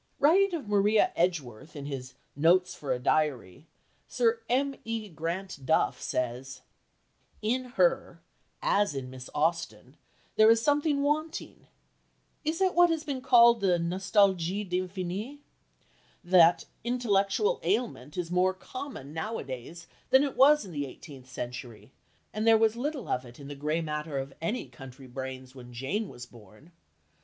Writing of Maria Edgeworth in his Notes for a Diary, Sir M. E. Grant Duff says: "In her, as in Miss Austen, there is something wanting. Is it what has been called the nostalgie de l'Infini?" That intellectual ailment is more common now a days than it was in the eighteenth century, and there was little of it in the grey matter of any country brains when Jane was born.